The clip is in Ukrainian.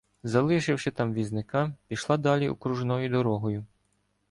Залишивши там візника, пішла далі окружною дорогою.